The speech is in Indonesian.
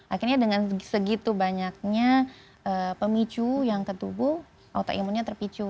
akhirnya dengan segitu banyaknya pemicu yang ketubuh autoimunnya terpicu